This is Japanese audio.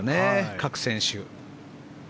各選手。